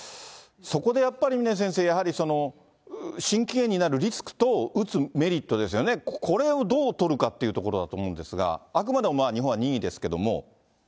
そこでやっぱりね、先生、心筋炎になるリスクと、打つメリットですよね、これをどう取るかっていうところだと思うんですが、あくまでも日本は任意ですけれども。